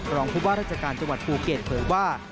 รองผู้ว่าราชการจังหวัดภูเก็ตเผยว่า